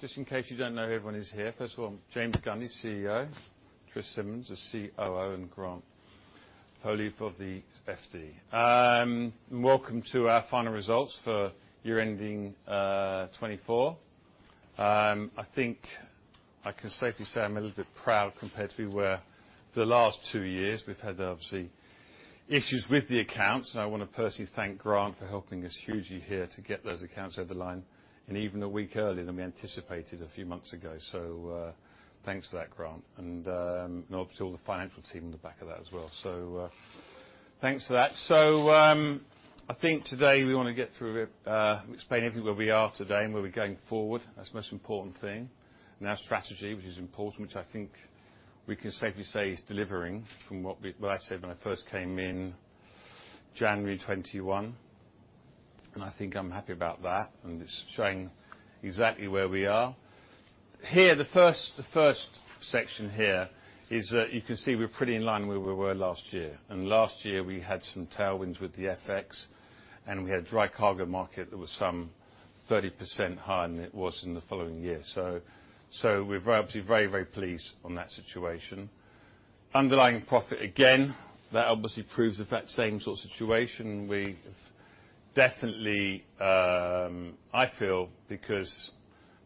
Just in case you don't know who everyone is here, first of all, I'm James Gundy, CEO, Tris Simmonds, the COO, and Grant Atchison, the FD. Welcome to our final results for year ending 2024. I think I can safely say I'm a little bit proud compared to where the last two years we've had, obviously, issues with the accounts, and I want to personally thank Grant for helping us hugely here to get those accounts over the line, and even a week earlier than we anticipated a few months ago. So, thanks for that, Grant, and, obviously, all the financial team on the back of that as well. So, thanks for that. So, I think today we want to get through a bit, explain everything where we are today and where we're going forward. That's the most important thing. And our strategy, which is important, which I think we can safely say is delivering from what we—what I said when I first came in January 2021, and I think I'm happy about that, and it's showing exactly where we are. Here, the first, the first section here is that you can see we're pretty in line with where we were last year. And last year, we had some tailwinds with the FX, and we had a dry cargo market that was some 30% higher than it was in the following year. So, so we're obviously very, very pleased on that situation. Underlying profit, again, that obviously proves the fact, same sort of situation. We've definitely, I feel because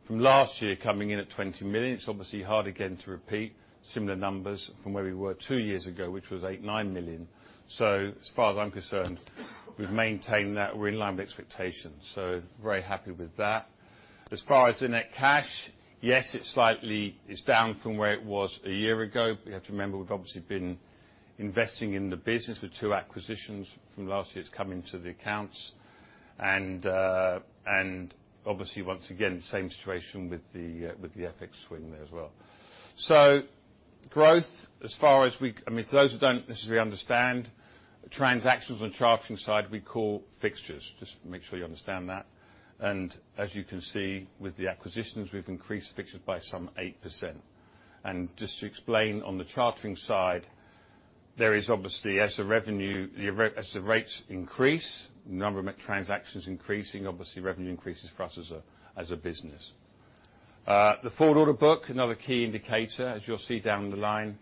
from last year, coming in at 20 million, it's obviously hard again to repeat similar numbers from where we were two years ago, which was 8 million-9 million. So as far as I'm concerned, we've maintained that. We're in line with expectations, so very happy with that. As far as the net cash, yes, it's slightly, it's down from where it was a year ago. But you have to remember, we've obviously been investing in the business with 2 acquisitions from last year that's come into the accounts. And, and obviously, once again, same situation with the, with the FX swing there as well. So growth, as far as we—I mean, for those who don't necessarily understand, transactions on chartering side, we call fixtures. Just to make sure you understand that. As you can see, with the acquisitions, we've increased fixtures by some 8%. Just to explain, on the chartering side, there is obviously as the rates increase, the number of transactions increasing, obviously, revenue increases for us as a business. The forward order book, another key indicator, as you'll see down the line,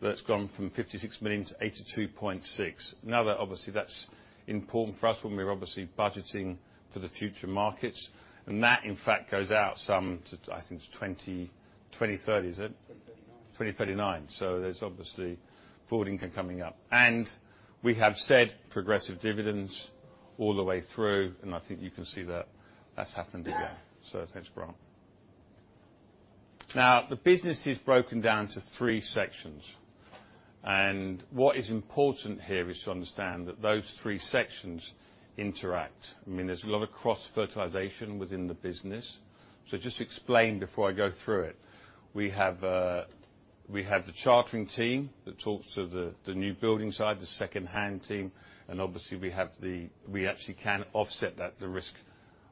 that's gone from 56 million to 82.6 million. Now, that obviously, that's important for us when we're obviously budgeting for the future markets, and that, in fact, goes out some to, I think, to 2020 to 2030, is it? 2039. 2039. So there's obviously forward earnings coming up. And we have said progressive dividends all the way through, and I think you can see that that's happened again. So thanks, Grant. Now, the business is broken down to three sections, and what is important here is to understand that those three sections interact. I mean, there's a lot of cross-fertilization within the business. So just to explain before I go through it, we have the chartering team that talks to the newbuilding side, the secondhand team, and obviously, we have the. We actually can offset that, the risk,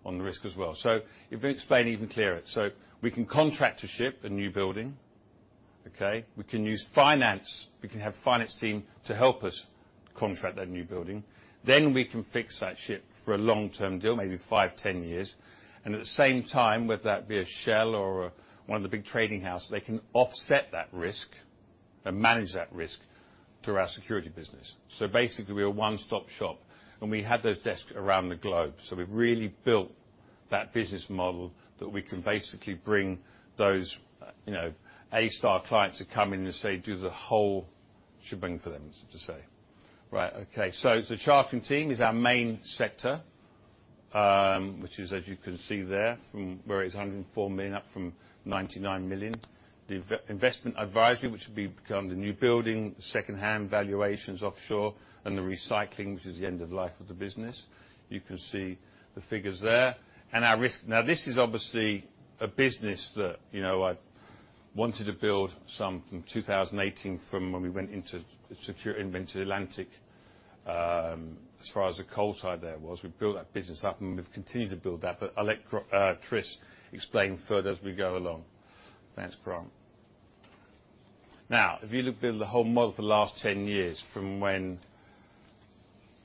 on the risk as well. So let me explain even clearer. So we can contract a ship, a newbuilding, okay? We can use finance, we can have a finance team to help us contract that newbuilding. Then we can fix that ship for a long-term deal, maybe five, 10 years. And at the same time, whether that be a Shell or one of the big trading houses, they can offset that risk and manage that risk through our security business. So basically, we're a one-stop shop, and we have those desks around the globe. So we've really built that business model that we can basically bring those, you know, A-star clients to come in and say, "Do the whole shebang for them," so to say. Right, okay. So the chartering team is our main sector, which is, as you can see there, from where it's 104 million, up from 99 million. The investment advisory, which would become the newbuilding, secondhand valuations, offshore, and the recycling, which is the end of life of the business. You can see the figures there. Our risk. Now, this is obviously a business that, you know, I wanted to build some from 2018, from when we went into secure, went into Atlantic. As far as the coal side, there was. We built that business up, and we've continued to build that, but I'll let Tris explain further as we go along. Thanks, Grant. Now, if you look at the whole model for the last 10 years, from when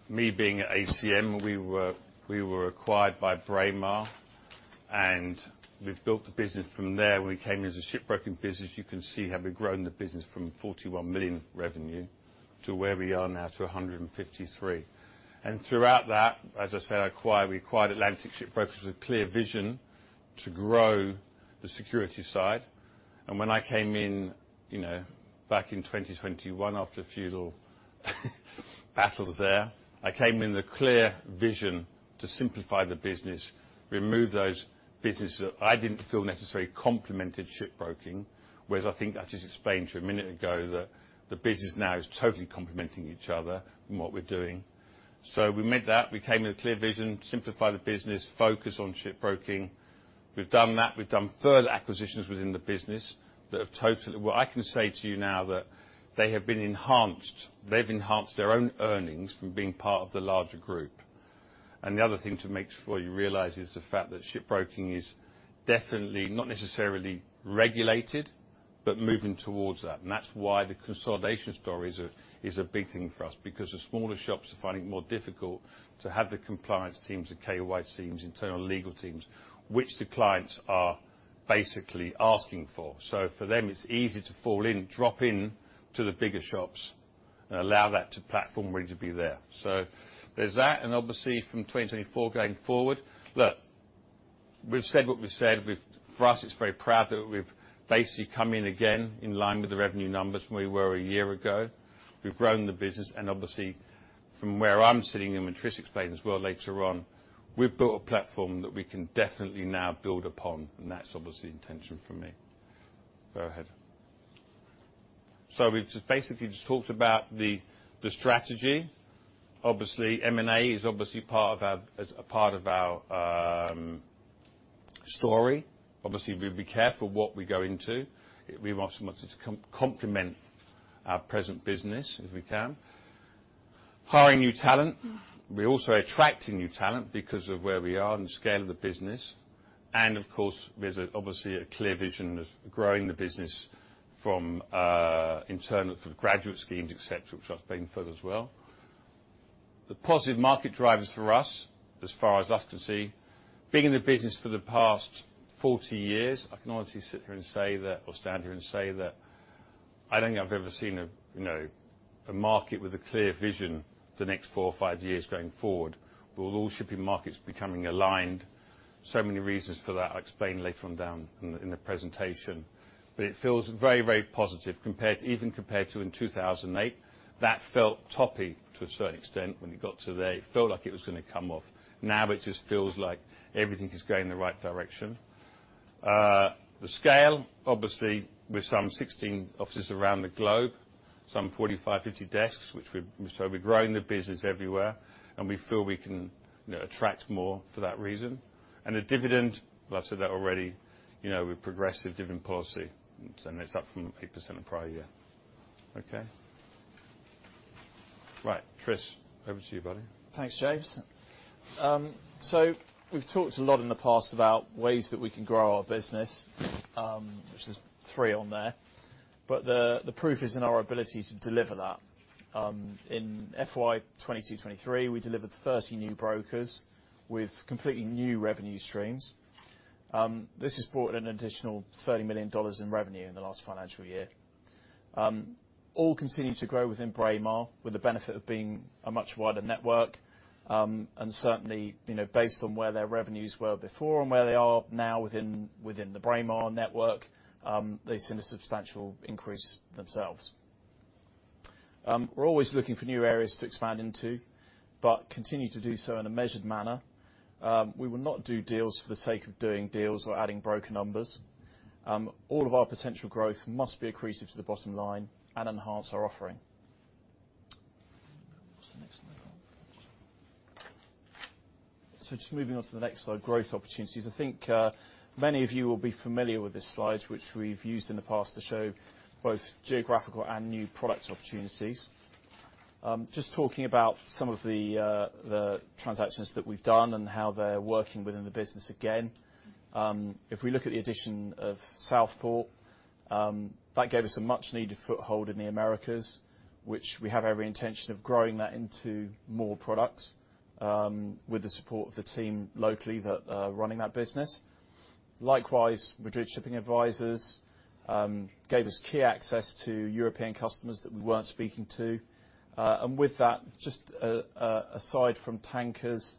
me being at ACM, we were, we were acquired by Braemar, and we've built the business from there. When we came in as a shipbroking business, you can see how we've grown the business from 41 million revenue to where we are now, to 153 million. Throughout that, as I said, we acquired Atlantic Brokers with a clear vision to grow the security side. And when I came in, you know, back in 2021, after a few little battles there, I came in with a clear vision to simplify the business, remove those businesses that I didn't feel necessarily complemented shipbroking. Whereas I think I just explained to you a minute ago that the business now is totally complementing each other in what we're doing. So we made that. We came in with a clear vision, simplify the business, focus on shipbroking. We've done that. We've done further acquisitions within the business that have totally... Well, I can say to you now that they have been enhanced. They've enhanced their own earnings from being part of the larger group. And the other thing to make sure you realize is the fact that shipbroking is definitely not necessarily regulated... but moving towards that. And that's why the consolidation story is a, is a big thing for us, because the smaller shops are finding it more difficult to have the compliance teams, the KYC teams, internal legal teams, which the clients are basically asking for. So for them, it's easy to fall in, drop in to the bigger shops and allow that to platform ready to be there. So there's that, and obviously, from 2024 going forward, look, we've said what we've said. We've—for us, it's very proud that we've basically come in again in line with the revenue numbers from where we were a year ago. We've grown the business, and obviously, from where I'm sitting, and Tris will explain as well later on, we've built a platform that we can definitely now build upon, and that's obviously the intention for me. Go ahead. So we've just basically just talked about the strategy. Obviously, M&A is obviously part of our story. Obviously, we'd be careful what we go into. We want something to complement our present business, if we can. Hiring new talent. We're also attracting new talent because of where we are and the scale of the business. And of course, there's obviously a clear vision of growing the business from internal, from graduate schemes, et cetera, which I'll explain further as well. The positive market drivers for us, as far as I can see, being in the business for the past 40 years, I can honestly sit here and say that, or stand here and say that I don't think I've ever seen a, you know, a market with a clear vision the next 4 or 5 years going forward, with all shipping markets becoming aligned. So many reasons for that, I'll explain later on down in, in the presentation. But it feels very, very positive, compared to, even compared to in 2008. That felt toppy to a certain extent. When it got today, it felt like it was going to come off. Now, it just feels like everything is going in the right direction. The scale, obviously, with some 16 offices around the globe, some 45-50 desks, which we, so we're growing the business everywhere, and we feel we can, you know, attract more for that reason. And the dividend, well, I've said that already, you know, with progressive dividend policy, so then it's up from 8% the prior year. Okay? Right. Tris, over to you, buddy. Thanks, James. So we've talked a lot in the past about ways that we can grow our business, which is three on there, but the proof is in our ability to deliver that. In FY 2022-2023, we delivered 30 new brokers with completely new revenue streams. This has brought in an additional $30 million in revenue in the last financial year. All continue to grow within Braemar, with the benefit of being a much wider network, and certainly, you know, based on where their revenues were before and where they are now within the Braemar network, they've seen a substantial increase themselves. We're always looking for new areas to expand into, but continue to do so in a measured manner. We will not do deals for the sake of doing deals or adding broker numbers. All of our potential growth must be accretive to the bottom line and enhance our offering. What's the next slide? So just moving on to the next slide, growth opportunities. I think, many of you will be familiar with this slide, which we've used in the past to show both geographical and new product opportunities. Just talking about some of the transactions that we've done and how they're working within the business again, if we look at the addition of Southport, that gave us a much needed foothold in the Americas, which we have every intention of growing that into more products, with the support of the team locally that are running that business. Likewise, Madrid shipping advisors gave us key access to European customers that we weren't speaking to. And with that, just, aside from tankers,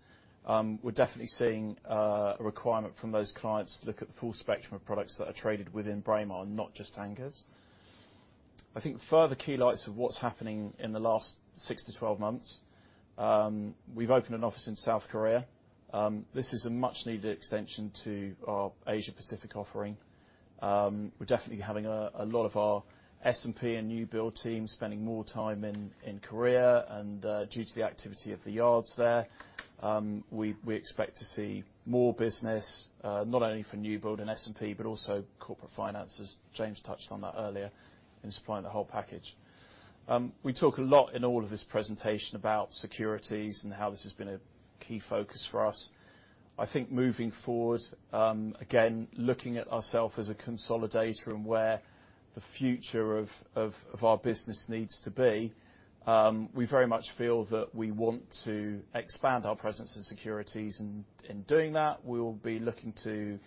we're definitely seeing a requirement from those clients to look at the full spectrum of products that are traded within Braemar, not just tankers. I think further highlights of what's happening in the last 6-12 months, we've opened an office in South Korea. This is a much needed extension to our Asia Pacific offering. We're definitely having a lot of our S&P and new build teams spending more time in Korea, and due to the activity of the yards there, we expect to see more business, not only for new build and S&P, but also corporate finances. James touched on that earlier in supplying the whole package. We talk a lot in all of this presentation about securities and how this has been a key focus for us. I think moving forward, again, looking at ourself as a consolidator and where the future of our business needs to be, we very much feel that we want to expand our presence in securities. And in doing that, we will be looking to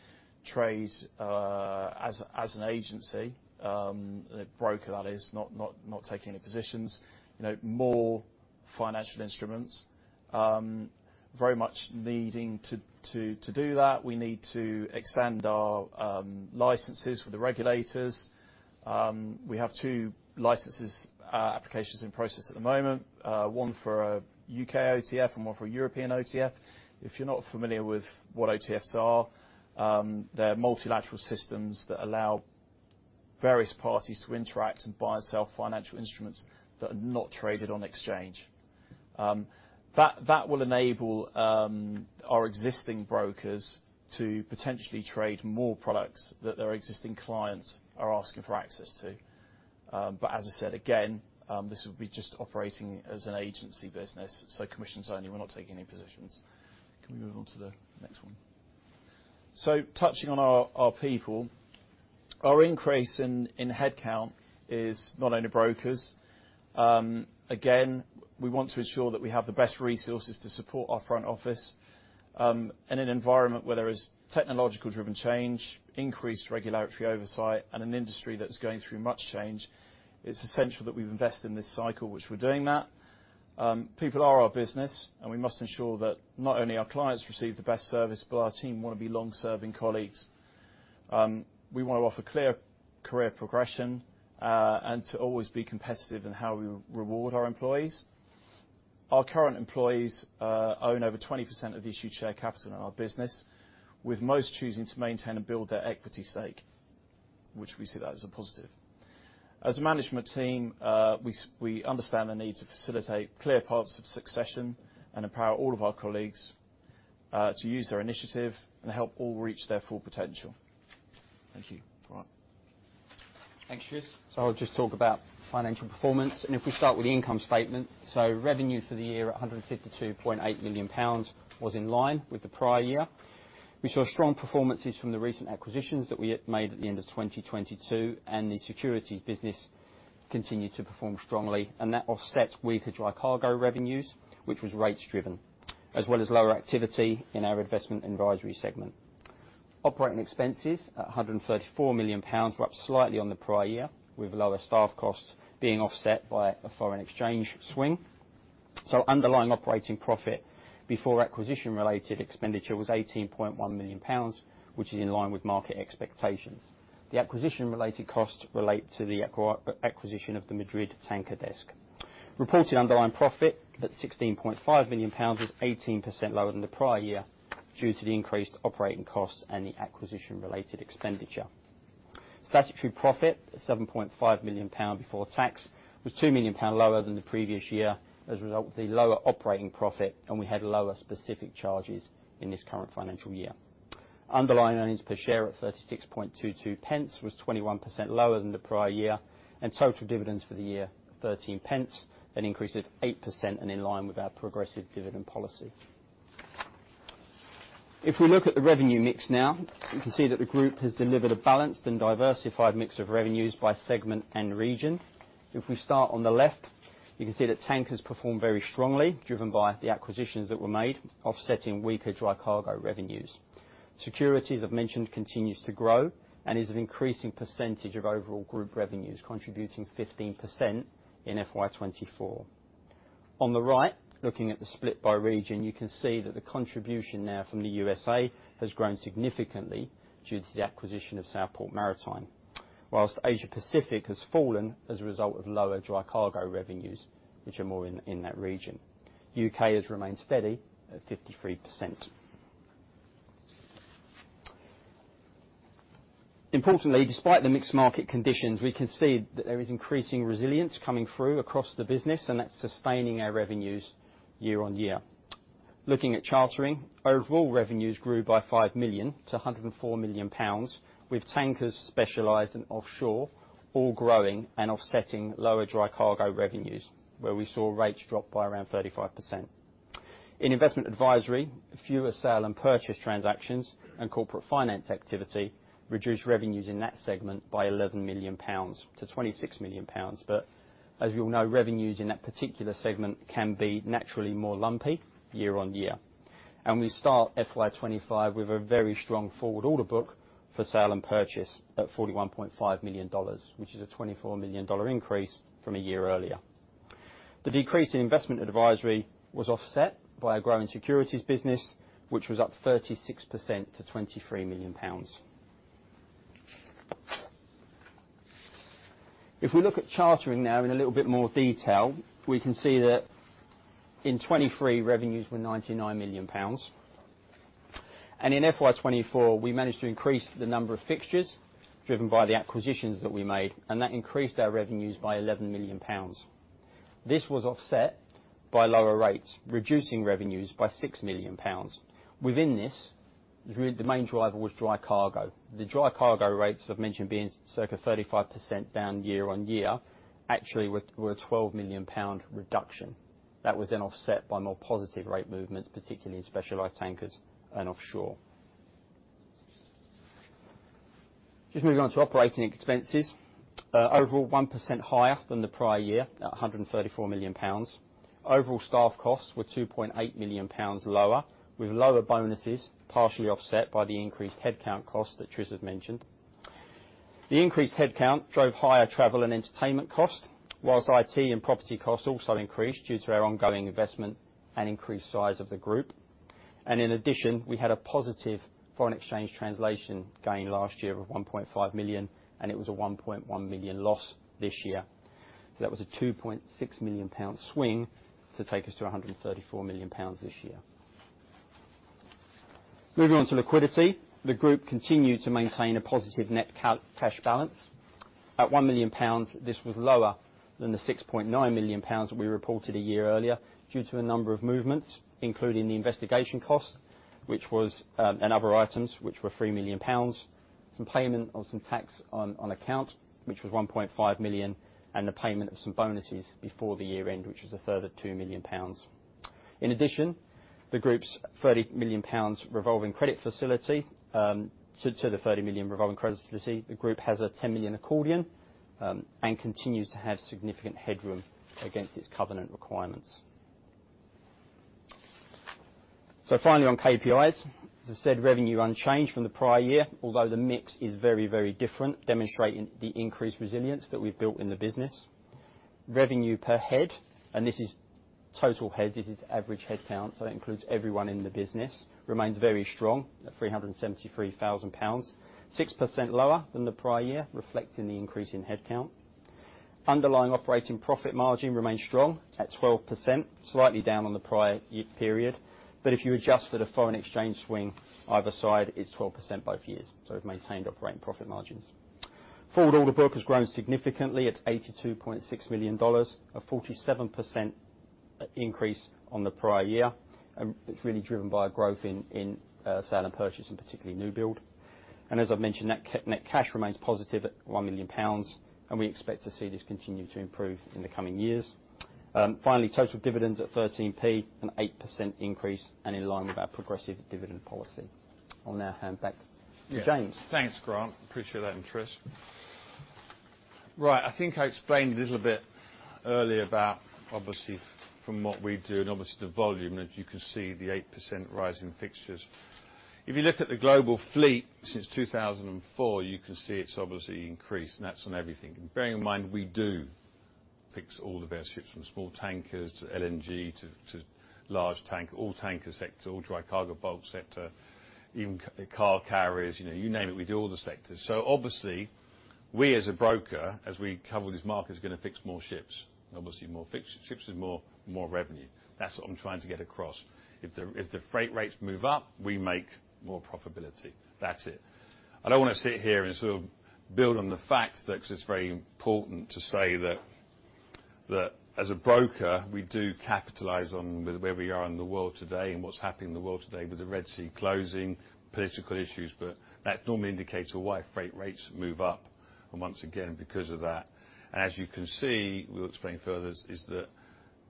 trade as an agency broker, that is, not taking any positions, you know, more financial instruments. Very much needing to do that, we need to extend our licenses with the regulators. We have two license applications in process at the moment, one for a U.K. OTF and one for a European OTF. If you're not familiar with what OTFs are, they're multilateral systems that allow various parties to interact and buy and sell financial instruments that are not traded on exchange. That will enable our existing brokers to potentially trade more products that their existing clients are asking for access to. But as I said, again, this will be just operating as an agency business, so commissions only, we're not taking any positions. Can we move on to the next one? So touching on our people, our increase in headcount is not only brokers. Again, we want to ensure that we have the best resources to support our front office, in an environment where there is technological driven change, increased regulatory oversight, and an industry that's going through much change. It's essential that we invest in this cycle, which we're doing that. People are our business, and we must ensure that not only our clients receive the best service, but our team wanna be long-serving colleagues. We wanna offer clear career progression, and to always be competitive in how we reward our employees. Our current employees own over 20% of the issued share capital in our business, with most choosing to maintain and build their equity stake, which we see that as a positive. As a management team, we understand the need to facilitate clear paths of succession and empower all of our colleagues to use their initiative and help all reach their full potential. Thank you. Grant. Thanks, Tris. So I'll just talk about financial performance, and if we start with the income statement. So revenue for the year, 152.8 million pounds, was in line with the prior year. We saw strong performances from the recent acquisitions that we had made at the end of 2022, and the securities business continued to perform strongly, and that offsets weaker dry cargo revenues, which was rates driven, as well as lower activity in our investment advisory segment. Operating expenses, 134 million pounds, were up slightly on the prior year, with lower staff costs being offset by a foreign exchange swing. So underlying operating profit before acquisition-related expenditure was 18.1 million pounds, which is in line with market expectations. The acquisition-related costs relate to the acquisition of the Madrid tanker desk. Reported underlying profit at 16.5 million pounds was 18% lower than the prior year, due to the increased operating costs and the acquisition-related expenditure. Statutory profit, 7.5 million pound before tax, was 2 million pound lower than the previous year as a result of the lower operating profit, and we had lower specific charges in this current financial year. Underlying earnings per share at 36.22 pence was 21% lower than the prior year, and total dividends for the year, 13 pence, an increase of 8% and in line with our progressive dividend policy. If we look at the revenue mix now, you can see that the group has delivered a balanced and diversified mix of revenues by segment and region. If we start on the left, you can see that tankers performed very strongly, driven by the acquisitions that were made, offsetting weaker dry cargo revenues. Securities, I've mentioned, continues to grow and is an increasing percentage of overall group revenues, contributing 15% in FY 2024. On the right, looking at the split by region, you can see that the contribution now from the USA has grown significantly due to the acquisition of Southport Maritime. While Asia Pacific has fallen as a result of lower dry cargo revenues, which are more in that region. U.K. has remained steady at 53%. Importantly, despite the mixed market conditions, we can see that there is increasing resilience coming through across the business, and that's sustaining our revenues year on year. Looking at chartering, overall revenues grew by 5 million to 104 million pounds, with tankers specialized in offshore, all growing and offsetting lower dry cargo revenues, where we saw rates drop by around 35%. In investment advisory, fewer sale and purchase transactions and corporate finance activity reduced revenues in that segment by 11 million pounds to 26 million pounds. But as you all know, revenues in that particular segment can be naturally more lumpy year-on-year. And we start FY 2025 with a very strong forward order book for sale and purchase at $41.5 million, which is a $24 million increase from a year earlier. The decrease in investment advisory was offset by a growing securities business, which was up 36% to 23 million pounds. If we look at chartering now in a little bit more detail, we can see that in 2023, revenues were 99 million pounds, and in FY 2024, we managed to increase the number of fixtures, driven by the acquisitions that we made, and that increased our revenues by 11 million pounds. This was offset by lower rates, reducing revenues by 6 million pounds. Within this, the main driver was dry cargo. The dry cargo rates, as I've mentioned, being circa 35% down year-on-year, actually were a 12 million pound reduction. That was then offset by more positive rate movements, particularly in specialized tankers and offshore. Just moving on to operating expenses. Overall, 1% higher than the prior year, at 134 million pounds. Overall staff costs were 2.8 million pounds lower, with lower bonuses, partially offset by the increased headcount costs that Tris has mentioned. The increased headcount drove higher travel and entertainment costs, while IT and property costs also increased due to our ongoing investment and increased size of the group. In addition, we had a positive foreign exchange translation gain last year of 1.5 million, and it was a 1.1 million loss this year. So that was a 2.6 million pound swing to take us to 134 million pounds this year. Moving on to liquidity. The group continued to maintain a positive net cash balance. At 1 million pounds, this was lower... than the 6.9 million pounds that we reported a year earlier, due to a number of movements, including the investigation cost, which was, and other items, which were 3 million pounds, some payment on some tax on, on account, which was 1.5 million, and the payment of some bonuses before the year end, which was a further 2 million pounds. In addition, the group's 30 million pounds revolving credit facility, so to the 30 million revolving credit facility, the group has a 10 million accordion, and continues to have significant headroom against its covenant requirements. So finally, on KPIs, as I said, revenue unchanged from the prior year, although the mix is very, very different, demonstrating the increased resilience that we've built in the business. Revenue per head, and this is total head, this is average headcount, so that includes everyone in the business, remains very strong at 373 thousand pounds, 6% lower than the prior year, reflecting the increase in headcount. Underlying operating profit margin remains strong at 12%, slightly down on the prior year period. But if you adjust for the foreign exchange swing either side, it's 12% both years, so we've maintained operating profit margins. Forward order book has grown significantly. It's $82.6 million, a 47% increase on the prior year, and it's really driven by a growth in sale and purchase, and particularly new build. And as I've mentioned, net cash remains positive at 1 million pounds, and we expect to see this continue to improve in the coming years. Finally, total dividends at 13p, an 8% increase and in line with our progressive dividend policy. I'll now hand back to James. Yeah. Thanks, Grant. Appreciate that interest. Right, I think I explained a little bit earlier about obviously from what we do and obviously the volume, as you can see, the 8% rise in fixtures. If you look at the global fleet since 2004, you can see it's obviously increased, and that's on everything. And bearing in mind, we do fix all the various ships, from small tankers to LNG to large tanker, all tanker sector, all dry cargo, bulk sector, even car carriers, you know, you name it, we do all the sectors. So obviously, we, as a broker, as we cover these markets, are gonna fix more ships, and obviously, more fixed ships is more, more revenue. That's what I'm trying to get across. If the freight rates move up, we make more profitability. That's it. I don't wanna sit here and sort of build on the fact that, 'cause it's very important to say that, that as a broker, we do capitalize on where we are in the world today and what's happening in the world today, with the Red Sea closing, political issues, but that normally indicates to why freight rates move up, and once again, because of that. As you can see, we'll explain further, is that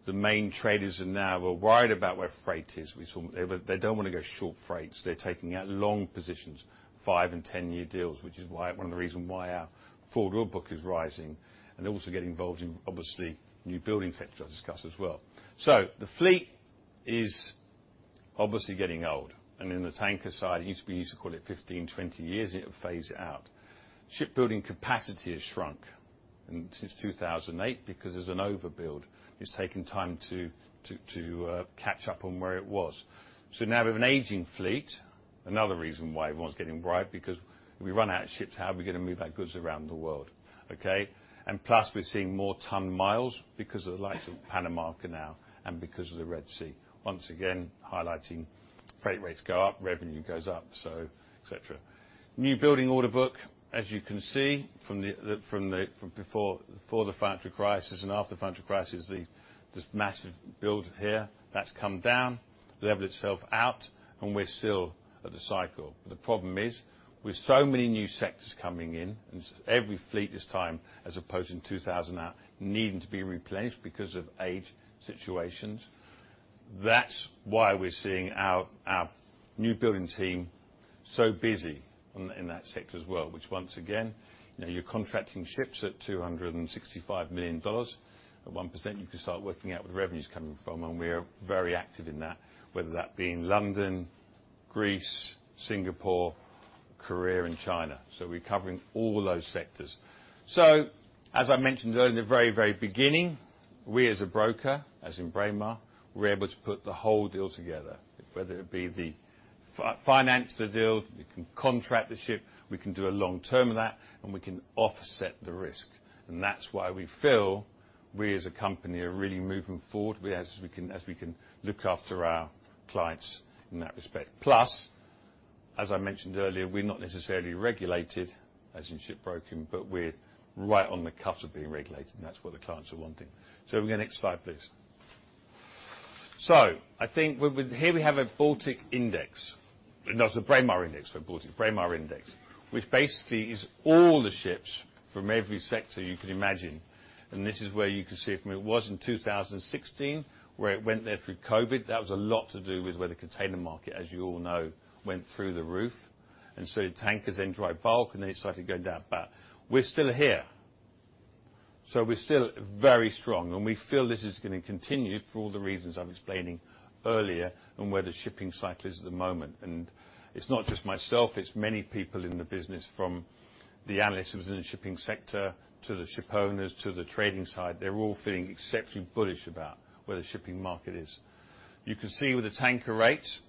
the main traders are now... We're worried about where freight is. We saw, they don't wanna go short freights. They're taking out long positions, 5- and 10-year deals, which is why, one of the reason why our forward book is rising, and also getting involved in, obviously, newbuilding sector I'll discuss as well. The fleet is obviously getting old, and in the tanker side, it used to be, used to call it 15, 20 years, it would phase it out. Shipbuilding capacity has shrunk, and since 2008, because there's an overbuild, it's taken time to catch up on where it was. Now we have an aging fleet. Another reason why everyone's getting worried, because if we run out of ships, how are we gonna move our goods around the world, okay? And plus, we're seeing more ton-miles because of the likes of Panama Canal and because of the Red Sea. Once again, highlighting freight rates go up, revenue goes up, so et cetera. Newbuilding order book, as you can see, from before the financial crisis and after the financial crisis, this massive build here, that's come down, leveled itself out, and we're still at the cycle. But the problem is, with so many new sectors coming in, and every fleet this time, as opposed in 2000 now, needing to be replaced because of age situations, that's why we're seeing our newbuilding team so busy in that sector as well, which once again, you know, you're contracting ships at $265 million. At 1%, you can start working out where the revenue is coming from, and we are very active in that, whether that be in London, Greece, Singapore, Korea, and China. So we're covering all those sectors. So, as I mentioned earlier, in the very, very beginning, we, as a broker, as in Braemar, we're able to put the whole deal together, whether it be the finance the deal, we can contract the ship, we can do a long term of that, and we can offset the risk. And that's why we feel we, as a company, are really moving forward, as we can look after our clients in that respect. Plus, as I mentioned earlier, we're not necessarily regulated as in shipbroking, but we're right on the cusp of being regulated, and that's what the clients are wanting. So, go next slide, please. So, I think with... Here we have a Baltic Index. No, it's a Braemar Index for Baltic. Braemar Index, which basically is all the ships from every sector you can imagine, and this is where you can see from it was in 2016, where it went there through COVID. That was a lot to do with where the container market, as you all know, went through the roof, and so did tankers and dry bulk, and they started to go down, but we're still here. So we're still very strong, and we feel this is gonna continue for all the reasons I was explaining earlier and where the shipping cycle is at the moment. And it's not just myself, it's many people in the business, from the analysts in the shipping sector to the shipowners, to the trading side. They're all feeling exceptionally bullish about where the shipping market is. You can see with the tanker rates,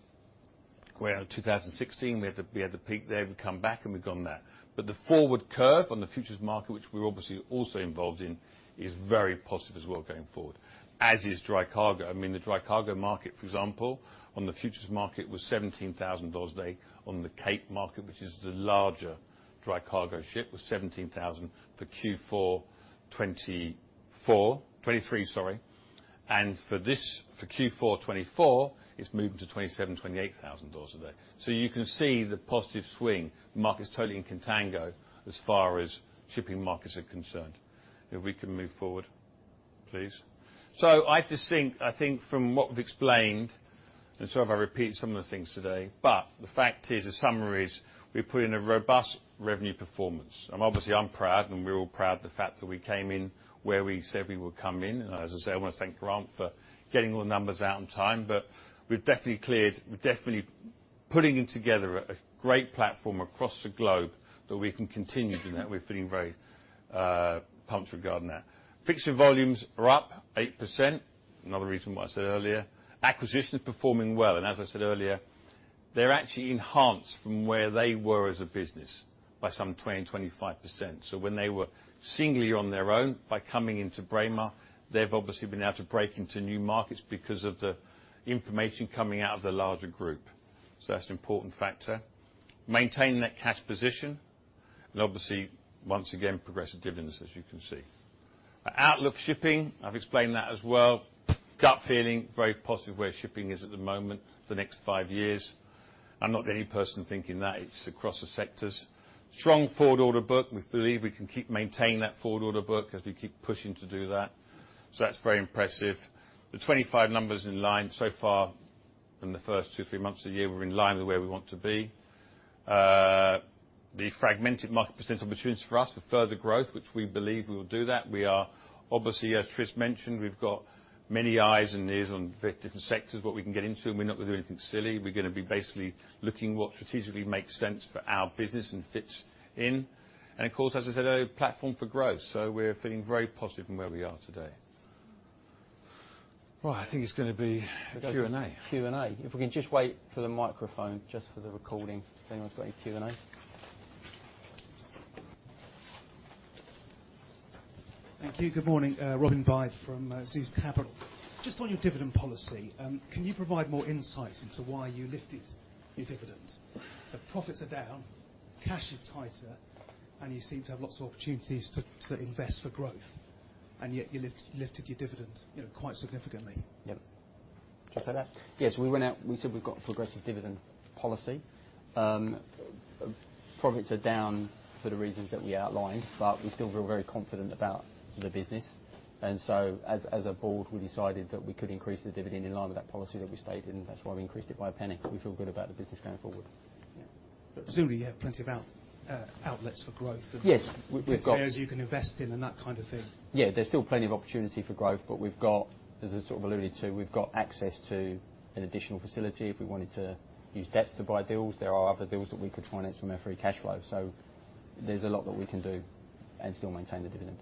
where in 2016, we had the peak there, we've come back, and we've gone there. But the forward curve on the futures market, which we're obviously also involved in, is very positive as well going forward, as is dry cargo. I mean, the dry cargo market, for example, on the futures market, was $17,000 a day. On the Cape market, which is the larger dry cargo ship, was $17,000 for Q4 2024, 2023, sorry. And for this, for Q4 2024, it's moving to $27,000-$28,000 a day. So you can see the positive swing. The market's totally in contango as far as shipping markets are concerned. If we can move forward, please. So I just think, I think from what we've explained, and sorry if I repeat some of the things today, but the fact is, the summary is, we put in a robust revenue performance. Obviously, I'm proud, and we're all proud of the fact that we came in where we said we would come in. As I say, I want to thank Grant for getting all the numbers out on time, but we're definitely putting in together a great platform across the globe that we can continue to do that. We're feeling very pumped regarding that. Fixture volumes are up 8%, another reason why I said earlier. Acquisitions performing well, and as I said earlier, they're actually enhanced from where they were as a business by some 20-25%. So when they were singly on their own, by coming into Braemar, they've obviously been able to break into new markets because of the information coming out of the larger group. So that's an important factor. Maintaining that cash position, and obviously, once again, progressive dividends, as you can see. Our outlook shipping, I've explained that as well. Gut feeling, very positive where shipping is at the moment for the next five years. I'm not the only person thinking that; it's across the sectors. Strong forward order book. We believe we can keep maintaining that forward order book as we keep pushing to do that. So that's very impressive. The 25 numbers in line so far in the first two, three months of the year, we're in line with where we want to be. The fragmented market presents opportunities for us for further growth, which we believe we will do that. We are obviously, as Tris mentioned, we've got many eyes and ears on different sectors, what we can get into, and we're not going to do anything silly. We're gonna be basically looking what strategically makes sense for our business and fits in. And of course, as I said earlier, platform for growth, so we're feeling very positive in where we are today. Well, I think it's gonna be a Q&A. Q&A. If we can just wait for the microphone, just for the recording. Anyone's got any Q&A? Thank you. Good morning, Robin Byde from Zeus Capital. Just on your dividend policy, can you provide more insight into why you lifted your dividend? So profits are down, cash is tighter, and you seem to have lots of opportunities to, to invest for growth, and yet you lifted your dividend, you know, quite significantly. Yep. Just say that? Yes, we went out, we said we've got a progressive dividend policy. Profits are down for the reasons that we outlined, but we still feel very confident about the business. And so as a board, we decided that we could increase the dividend in line with that policy that we stated, and that's why we increased it by a penny. We feel good about the business going forward. Yeah. But presumably, you have plenty of outlets for growth and- Yes, we've got- areas you can invest in and that kind of thing. Yeah, there's still plenty of opportunity for growth, but we've got, as I sort of alluded to, we've got access to an additional facility if we wanted to use debt to buy deals. There are other deals that we could finance from our free cash flow. So there's a lot that we can do and still maintain the dividend.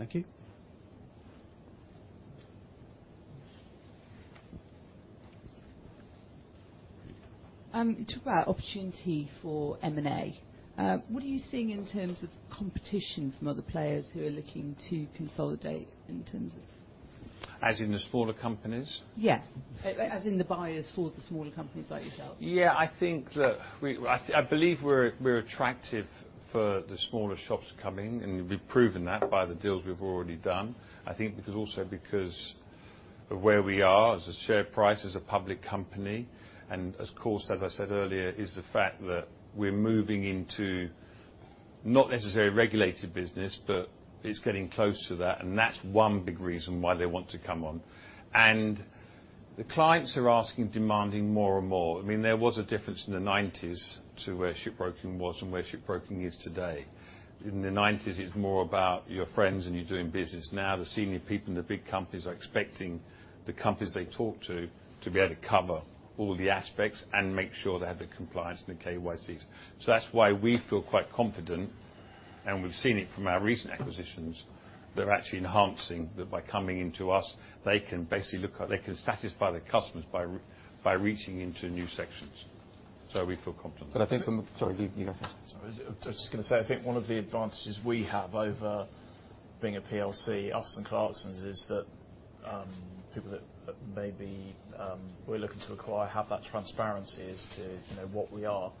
Thank you. You talked about opportunity for M&A. What are you seeing in terms of competition from other players who are looking to consolidate in terms of? As in the smaller companies? Yeah. As in the buyers for the smaller companies like yourself. Yeah, I think that I believe we're attractive for the smaller shops coming, and we've proven that by the deals we've already done. I think also because of where we are as a share price, as a public company, and of course, as I said earlier, is the fact that we're moving into not necessarily a regulated business, but it's getting close to that, and that's one big reason why they want to come on. And the clients are asking, demanding more and more. I mean, there was a difference in the 1990s to where shipbroking was and where shipbroking is today. In the 1990s, it was more about your friends and you doing business. Now, the senior people in the big companies are expecting the companies they talk to, to be able to cover all the aspects and make sure they have the compliance and the KYCs. So that's why we feel quite confident, and we've seen it from our recent acquisitions, that are actually enhancing, that by coming into us, they can basically look at... They can satisfy their customers by reaching into new sections. So we feel confident. But I think... Sorry, you go first. Sorry. I was just gonna say, I think one of the advantages we have over being a PLC, us and Clarksons, is that, people that maybe, we're looking to acquire, have that transparency as to, you know, what we are.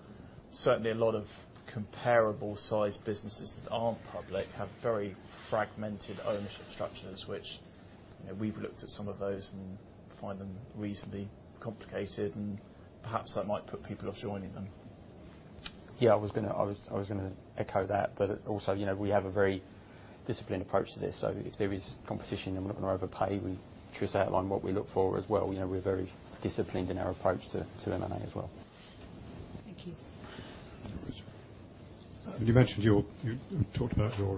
Certainly, a lot of comparable-sized businesses that aren't public have very fragmented ownership structures, which, you know, we've looked at some of those and find them reasonably complicated, and perhaps that might put people off joining them. Yeah, I was gonna echo that, but also, you know, we have a very disciplined approach to this. So if there is competition, then we're not gonna overpay. We try to outline what we look for as well. You know, we're very disciplined in our approach to M&A as well. Thank you. You talked about your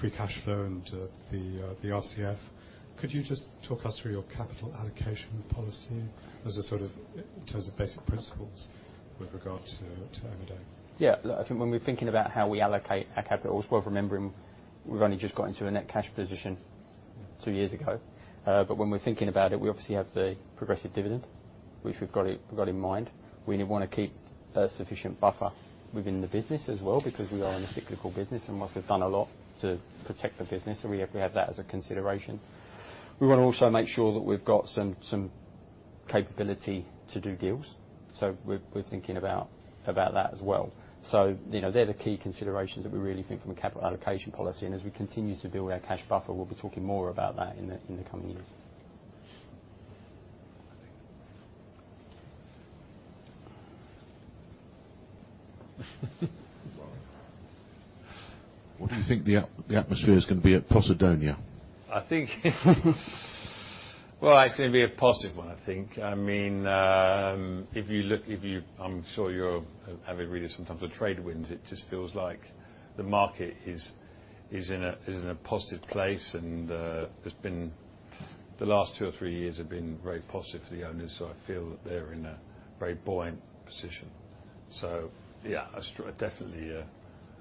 free cash flow and the RCF. Could you just talk us through your capital allocation policy as a sort of, in terms of basic principles with regard to M&A? Yeah. I think when we're thinking about how we allocate our capital, it's worth remembering we've only just got into a net cash position two years ago. But when we're thinking about it, we obviously have the progressive dividend, which we've got in mind. We want to keep a sufficient buffer within the business as well, because we are in a cyclical business, and we've done a lot to protect the business, and we have that as a consideration. We want to also make sure that we've got some capability to do deals, so we're thinking about that as well. So, you know, they're the key considerations that we really think from a capital allocation policy. And as we continue to build our cash buffer, we'll be talking more about that in the coming years. What do you think the atmosphere is going to be at Posidonia? I think,... Well, it's going to be a positive one, I think. I mean, if you look, I'm sure you've been reading sometimes the TradeWinds, it just feels like the market is in a positive place, and there's been... The last two or three years have been very positive for the owners, so I feel that they're in a very buoyant position. So yeah, definitely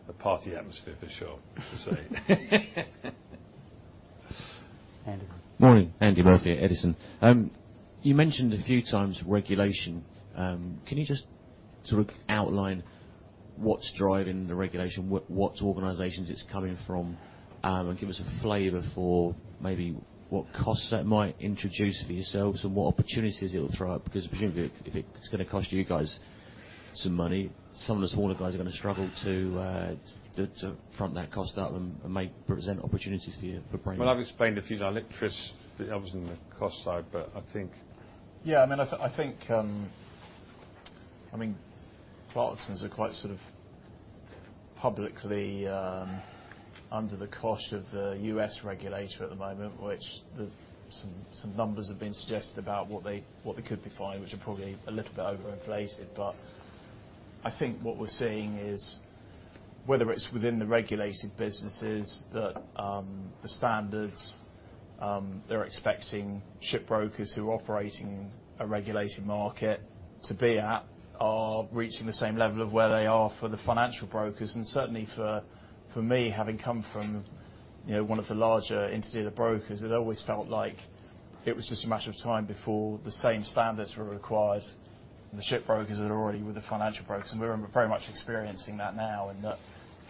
a party atmosphere for sure, I have to say. Andy. Morning, Andy Murphy at Edison. You mentioned a few times regulation. Can you just sort of outline what's driving the regulation, what organizations it's coming from, and give us a flavor for maybe what costs that might introduce for yourselves and what opportunities it will throw up? Because presumably, if it's going to cost you guys some money, some of the smaller guys are going to struggle to front that cost up and might present opportunities for you, for Braemar. Well, I've explained a few, like Tris, obviously, on the cost side, but I think- Yeah, I mean, I think, I mean, Clarksons are quite sort of publicly under the cosh of the U.S. regulator at the moment, with some numbers having been suggested about what they could be fined, which are probably a little bit overinflated. But I think what we're seeing is, whether it's within the regulated businesses, that the standards they're expecting shipbrokers who are operating a regulated market to be at are reaching the same level of where they are for the financial brokers. And certainly for me, having come from, you know, one of the larger interdealer brokers, it always felt like it was just a matter of time before the same standards were required, and the shipbrokers that are already with the financial brokers, and we're very much experiencing that now. That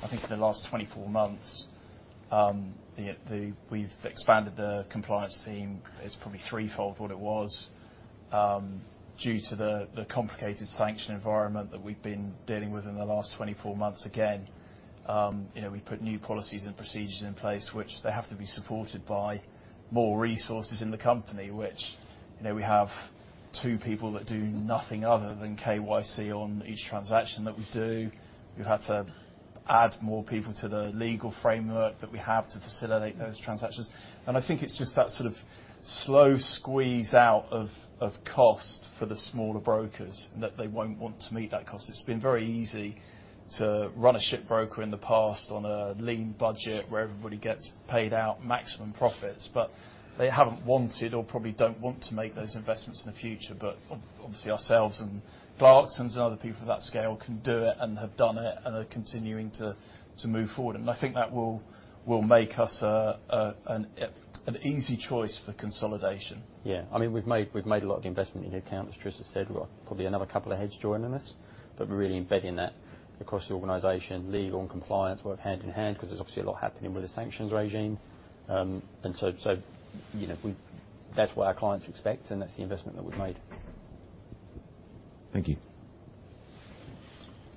I think for the last 24 months, we've expanded the compliance team. It's probably threefold what it was, due to the complicated sanction environment that we've been dealing with in the last 24 months. Again, you know, we put new policies and procedures in place, which they have to be supported by more resources in the company, which, you know, we have 2 people that do nothing other than KYC on each transaction that we do. We've had to add more people to the legal framework that we have to facilitate those transactions. And I think it's just that sort of slow squeeze out of cost for the smaller brokers, that they won't want to meet that cost. It's been very easy to run a shipbroker in the past on a lean budget, where everybody gets paid out maximum profits, but they haven't wanted or probably don't want to make those investments in the future. But obviously, ourselves and Clarksons, and some other people of that scale, can do it and have done it, and are continuing to move forward. And I think that will make us an easy choice for consolidation. Yeah. I mean, we've made, we've made a lot of investment in the account, as Tris said. We've got probably another couple of heads joining us, but we're really embedding that across the organization. Legal and compliance work hand in hand, because there's obviously a lot happening with the sanctions regime. And so, so, you know, we- that's what our clients expect, and that's the investment that we've made. Thank you.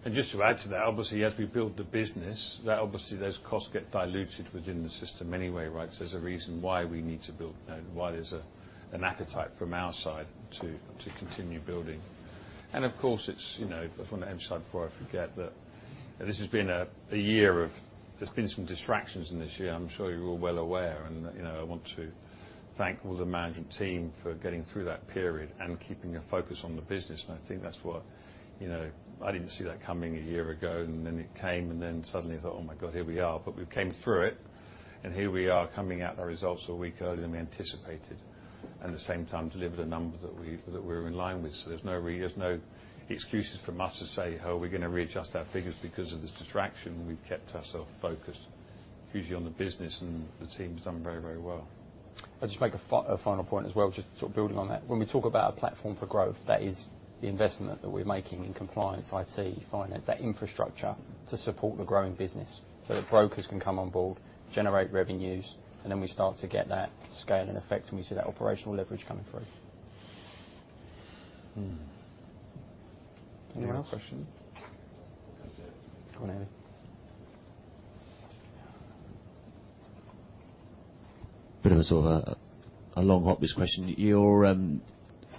And just to add to that, obviously, as we build the business, that obviously those costs get diluted within the system anyway, right? So there's a reason why we need to build, why there's an appetite from our side to continue building. And of course, it's, you know, I just want to emphasize before I forget, that this has been a year of... There's been some distractions in this year. I'm sure you're all well aware, and, you know, I want to thank all the management team for getting through that period and keeping a focus on the business. I think that's what, you know, I didn't see that coming a year ago, and then it came, and then suddenly I thought, "Oh, my God, here we are." But we came through it, and here we are coming out with the results a week earlier than we anticipated, at the same time, delivered a number that we, that we're in line with. So there's no really, there's no excuses from us to say, "Oh, we're going to readjust our figures because of this distraction." We've kept ourselves focused hugely on the business, and the team's done very, very well. I'll just make a final point as well, just sort of building on that. When we talk about a platform for growth, that is the investment that we're making in compliance, IT, finance, that infrastructure to support the growing business. So the brokers can come on board, generate revenues, and then we start to get that scale and effect, and we see that operational leverage coming through. Mm. Anyone else question? Go on, Andy. Bit of a sort of a long, obvious question. Your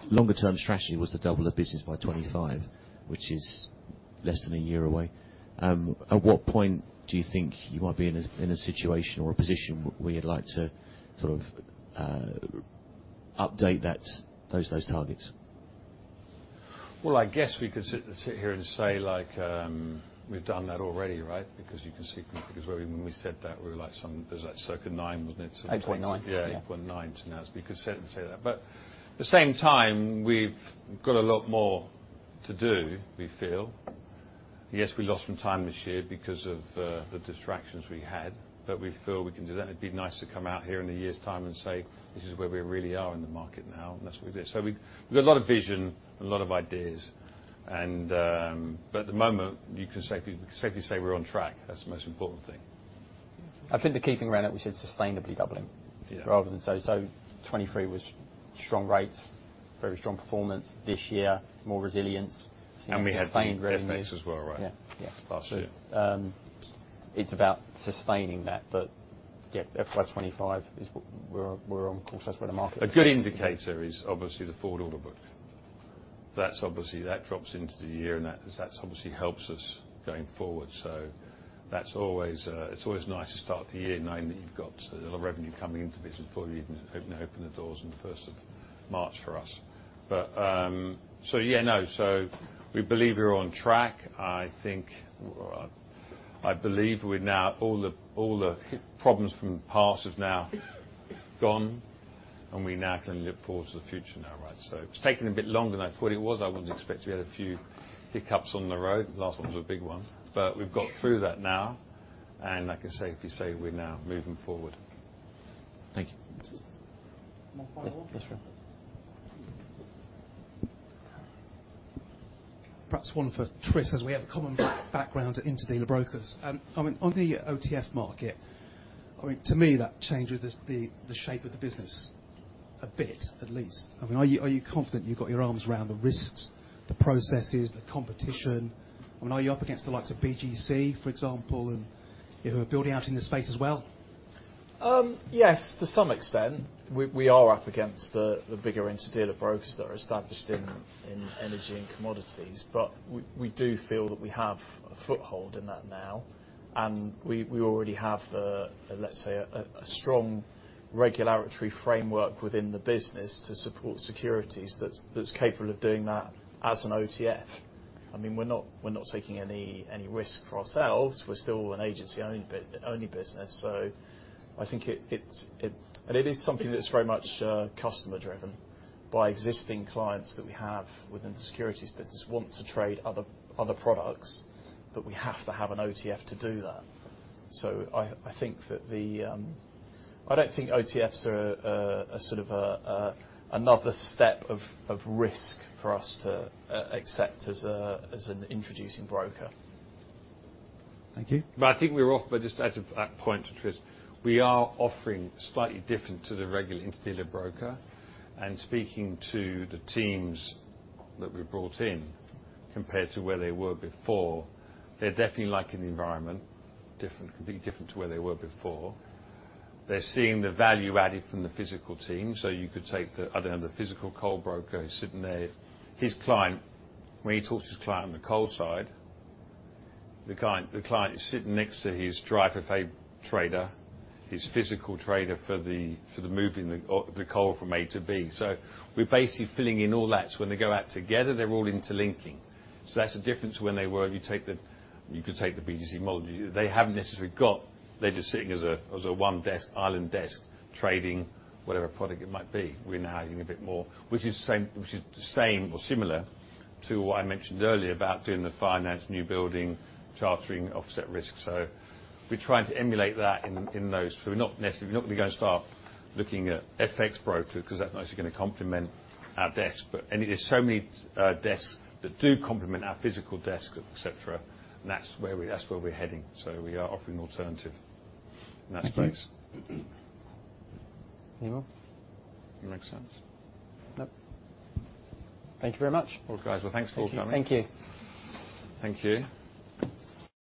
longer term strategy was to double the business by 2025, which is less than a year away. At what point do you think you might be in a situation or a position where you'd like to sort of update that, those targets? Well, I guess we could sit here and say, like, we've done that already, right? Because you can see, because when we said that, we were like it was like circle nine, wasn't it? 8.9. Yeah, 8.9. So now, we could sit and say that. But at the same time, we've got a lot more to do, we feel. Yes, we lost some time this year because of the distractions we had, but we feel we can do that. It'd be nice to come out here in a year's time and say, "This is where we really are in the market now, and that's what we did." So we've, we've got a lot of vision, a lot of ideas, and, but at the moment, you can safely, we can safely say we're on track. That's the most important thing.... I think the keeping around it, we said sustainably doubling- Yeah. 2023 was strong rates, very strong performance. This year, more resilience, sustained revenue. We had FX as well, right? Yeah, yeah. Last year. It's about sustaining that. But yeah, FY 25 is what we're on course. That's where the market- A good indicator is obviously the Forward Order Book. That's obviously that drops into the year, and that, that's obviously helps us going forward. So that's always. It's always nice to start the year knowing that you've got a little revenue coming into it before you even open the doors on the first of March for us. But so yeah, no, so we believe we're on track. I think I believe we're now all the problems from the past have now gone, and we now can look forward to the future now, right? So it's taken a bit longer than I thought it was. I wouldn't expect to have a few hiccups on the road. The last one was a big one, but we've got through that now, and like I safely say, we're now moving forward. Thank you. One final one? Yes, sure. Perhaps one for Tris, as we have a common background at interdealer brokers. I mean, on the OTF market, I mean, to me, that changes the shape of the business a bit, at least. I mean, are you confident you've got your arms around the risks, the processes, the competition? I mean, are you up against the likes of BGC, for example, and, you know, building out in the space as well? Yes, to some extent, we are up against the bigger interdealer brokers that are established in energy and commodities. But we do feel that we have a foothold in that now, and we already have, let's say, a strong regulatory framework within the business to support securities that's capable of doing that as an OTF. I mean, we're not taking any risk for ourselves. We're still an agency-only business, so I think it... And it is something that's very much customer driven by existing clients that we have within the securities business want to trade other products, but we have to have an OTF to do that. So I think that the... I don't think OTFs are a sort of another step of risk for us to accept as an introducing broker. Thank you. But I think we're off, but just to add to that point to Tris, we are offering slightly different to the regular interdealer broker. And speaking to the teams that we've brought in, compared to where they were before, they're definitely liking the environment. Different, completely different to where they were before. They're seeing the value added from the physical team. So you could take the, I don't know, the physical coal broker who's sitting there. His client, when he talks to his client on the coal side, the client, the client is sitting next to his dry FFA trader, his physical trader for the moving the coal from A to B. So we're basically filling in all that. So when they go out together, they're all interlinking. So that's the difference when they were. You could take the BGC model. They haven't necessarily got. They're just sitting as a, as a one desk, island desk, trading whatever product it might be. We're now adding a bit more, which is the same, which is the same or similar to what I mentioned earlier about doing the finance, newbuilding, chartering, offset risk. So we're trying to emulate that in, in those. So we're not necessarily, we're not going to start looking at FX broker, because that's not going to complement our desk. But and it is so many desks that do complement our physical desk, et cetera, and that's where we, that's where we're heading. So we are offering alternative in that space. Thank you. Mm-hmm. Anyone? Makes sense. Nope. Thank you very much. Well, guys, well, thanks for coming. Thank you. Thank you.